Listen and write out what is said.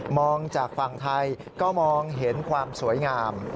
จากฝั่งไทยก็มองเห็นความสวยงาม